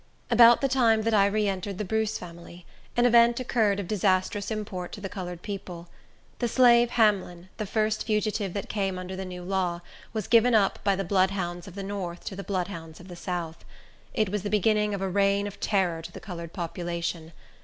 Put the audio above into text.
About the time that I reentered the Bruce family, an event occurred of disastrous import to the colored people. The slave Hamlin, the first fugitive that came under the new law, was given up by the bloodhounds of the north to the bloodhounds of the south. It was the beginning of a reign of terror to the colored population.